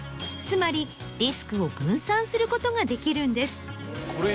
つまりリスクを分散することができるんです。